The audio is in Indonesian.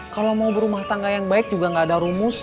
kalau mau berumah tangga yang baik juga gak ada rumus